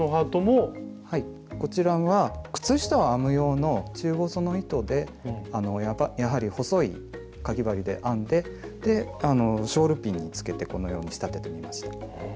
はいこちらは靴下を編む用の中細の糸でやはり細いかぎ針で編んでショールピンにつけてこのように仕立ててみました。